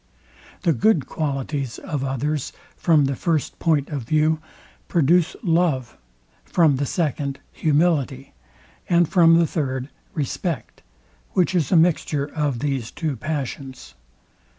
The good qualities of others, from the first point of view, produce love; from the second, humility; and from the third, respect; which is a mixture of these two passions.